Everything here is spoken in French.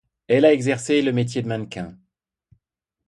Elle a exercé le métier de mannequin.